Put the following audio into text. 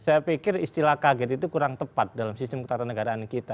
saya pikir istilah kaget itu kurang tepat dalam sistem ketatanegaraan kita